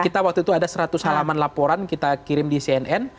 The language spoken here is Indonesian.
kita waktu itu ada seratus halaman laporan kita kirim di cnn